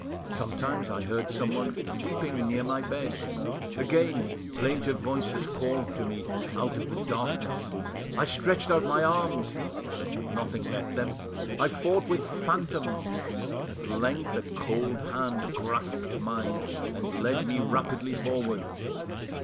Sometimes I heard someone weeping near my bed; again plaintive voices called to me out of the darkness. I stretched out my arms, but nothing met them, I fought with phantoms; at length a cold hand grasped mine and led me rapidly forward.